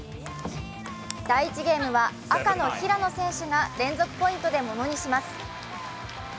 第１ゲームは赤の平野選手が連続ポイントでものにします。